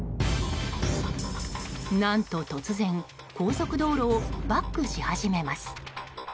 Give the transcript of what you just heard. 何と突然高速道路をバックし始めます。